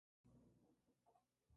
Eran los Rinocerontes.